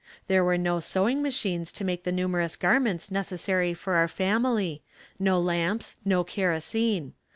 There were no sewing machines to make the numerous garments necessary for our family, no lamps, no kerosene.